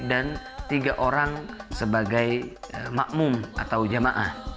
dan tiga orang sebagai makmum atau jamaah